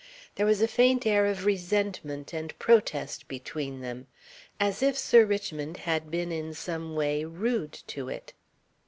There was a faint air of resentment and protest between them. As if Sir Richmond had been in some way rude to it.